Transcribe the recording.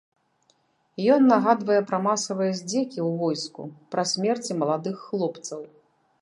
Ён нагадвае пра масавыя здзекі ў войску, пра смерці маладых хлопцаў.